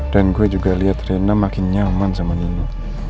dan gue juga lihat rena makin nyaman sama nino